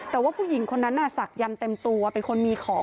แต่ว่าผู้หญิงคนนั้นน่ะศักยันต์เต็มตัวเป็นคนมีของ